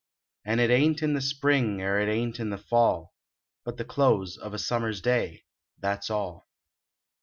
An it ain t in the spring er it ain t in the fall, But the close of a summer s day, That s all.